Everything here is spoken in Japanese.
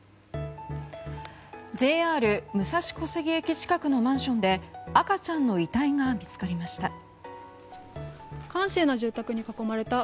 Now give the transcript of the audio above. ＪＲ武蔵小杉駅近くのマンションで赤ちゃんの遺体が見つかりました。